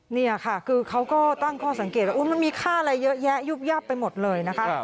นี่ค่ะคือเขาก็ตั้งข้อสังเกตว่ามันมีค่าอะไรเยอะแยะยุบยับไปหมดเลยนะคะ